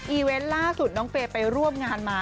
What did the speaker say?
เวนต์ล่าสุดน้องเฟย์ไปร่วมงานมา